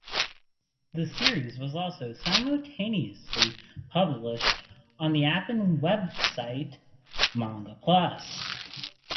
The series was also simultaneously published on the app and website "Manga Plus".